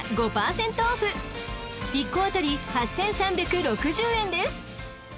［１個当たり８，３６０円です］